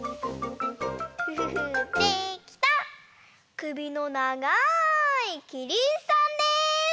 くびのながいキリンさんです！